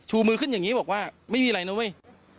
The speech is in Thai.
มือขึ้นอย่างนี้บอกว่าไม่มีอะไรนะเว้ย